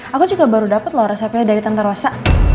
aku juga baru dapat loh resepnya dari tante rosa